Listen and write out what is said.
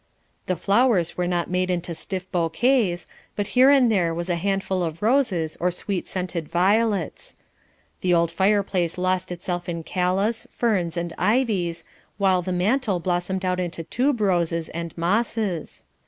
The flowers were not made into stiff bouquets, but here and there was a handful of roses or sweet scented violets. The old fireplace lost itself in callas, ferns, and ivies, while the mantel blossomed out into tube roses and mosses.